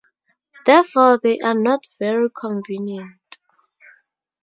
Therefore, they are not very convenient.